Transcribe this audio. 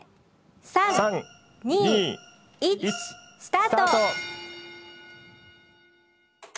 ３２１スタート！